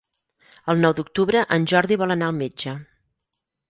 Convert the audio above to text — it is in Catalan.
El nou d'octubre en Jordi vol anar al metge.